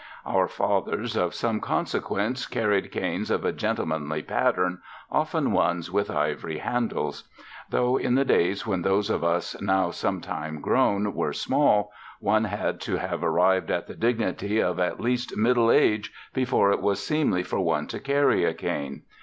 Our fathers of some consequence carried canes of a gentlemanly pattern, often ones with ivory handles. Though in the days when those of us now sometime grown were small one had to have arrived at the dignity of at least middle age before it was seemly for one to carry a cane.